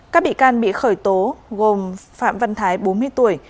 các bị can bị khởi tố gồm phạm văn thái bốn mươi tuổi